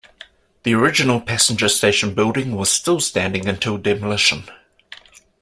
The original passenger station building was still standing until demolition.